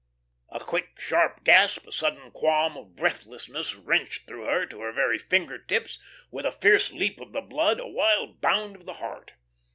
A quick, sharp gasp, a sudden qualm of breathlessness wrenched through her, to her very finger tips, with a fierce leap of the blood, a wild bound of the heart.